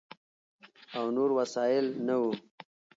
او نور وسایل نه ؤ،